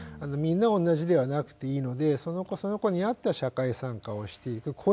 みんな同じではなくていいのでその子その子に合った社会参加をしていく。